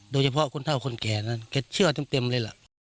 โดยเฉพาะคนเท่าคนแก่นั้นแกเชื่อเต็มเลยล่ะ